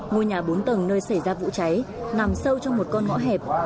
ngôi nhà bốn tầng nơi xảy ra vụ cháy nằm sâu trong một con ngõ hẹp